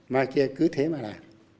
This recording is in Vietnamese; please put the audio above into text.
mai kia cứ thế mà là